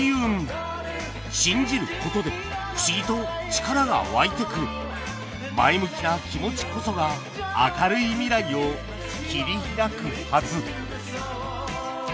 信じることで不思議と力がわいてくる前向きな気持ちこそが明るい未来を切り開くはず